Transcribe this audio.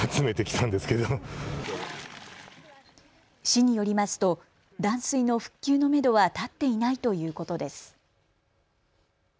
市によりますと断水の復旧のめどは立っていないということです。